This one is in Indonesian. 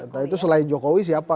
entah itu selain jokowi siapa